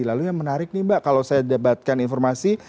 lalu yang menarik nih mbak kalau saya dapatkan informasi